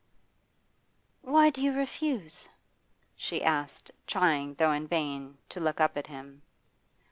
'Why do you refuse?' she asked, trying, though in vain, to look up at him.